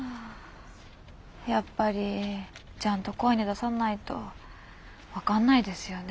やっぱりちゃんと声に出さないと分かんないですよね。